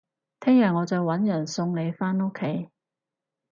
聽日我再搵人送你返屋企